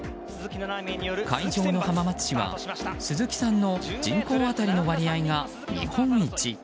会場の浜松市は鈴木さんの人口当たりの割合が日本一。